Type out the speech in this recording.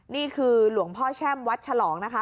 นี่คือหลวงพ่อแช่มวัดฉลองนะคะ